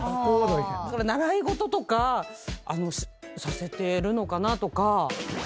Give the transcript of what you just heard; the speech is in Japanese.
習い事とかさせてるのかなとか。